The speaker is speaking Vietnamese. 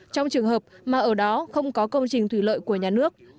trong trường hợp mà ở đó không có công trình thủy lợi của nhà nước